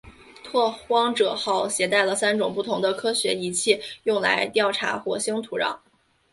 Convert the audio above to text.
拓荒者号携带了三种不同的科学仪器用来调查火星土壤。